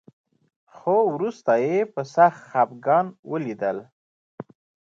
خو وروسته يې په سخت خپګان وليدل.